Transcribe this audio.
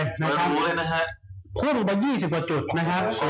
ช่วงวันนี้ก็เป็นวันที่สองของปีแล้วนะครับ